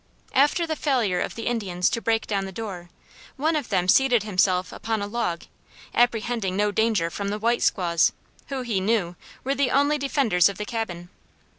After the failure of the Indians to break down the door, one of them seated himself upon a log, apprehending no danger from the "white squaws" who, he knew, were the only defenders of the cabin.